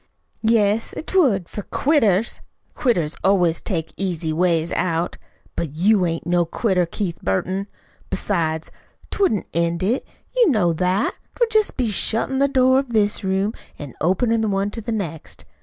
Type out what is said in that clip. "Yes, 'twould for quitters. Quitters always take easy ways out. But you ain't no quitter, Keith Burton. Besides, 't wouldn't end it. You know that. 'Twould jest be shuttin' the door of this room an' openin' the one to the next.